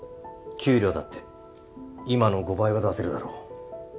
給料だって今の５倍は出せるだろう。